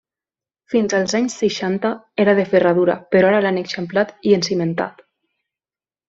Fins als anys seixanta era de ferradura, però ara l'han eixamplat i encimentat.